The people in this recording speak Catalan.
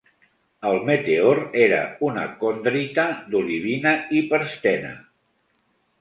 El meteor era una condrita d'olivina-hiperstena.